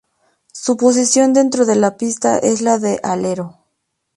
Su posición dentro de la pista es la de alero.